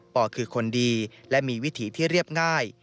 อคือคนดีและมีวิถีที่เรียบง่าย